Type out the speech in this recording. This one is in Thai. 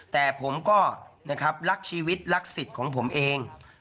แต่ผมก็นะครับรักชีวิตรักสิทธิ์ของผมเอง